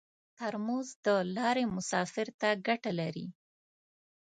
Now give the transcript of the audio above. ترموز د لارې مسافر ته ګټه لري.